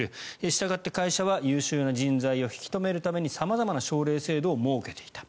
したがって会社は優秀な人材を引き留めるために様々な奨励制度を設けていた。